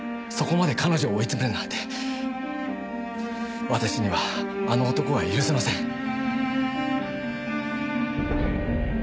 そこまで彼女を追い詰めるなんて私にはあの男が許せません。